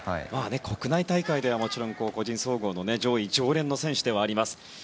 国内大会ではもちろん個人総合の上位常連の選手ではあります。